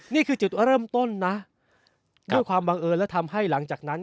นี่คือจุดเริ่มต้นนะด้วยความบังเอิญและทำให้หลังจากนั้น